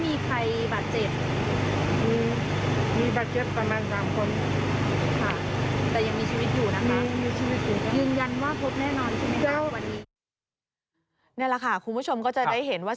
นี่แหละค่ะคุณผู้ชมก็จะได้เห็นว่า